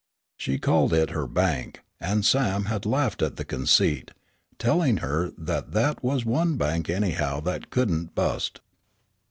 She called it her bank, and Sam had laughed at the conceit, telling her that that was one bank anyhow that couldn't "bust."